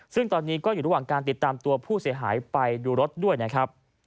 ซึ่งตอนนี้ก็อยู่ระหว่างการติดตามตัวผู้เสียหายไปดูรถด้วยนะครับ